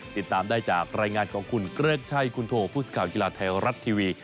ติดตามได้จากรายงานของคุณเกริกชัยคุณโทผู้สื่อข่าวกีฬาไทยรัฐทีวี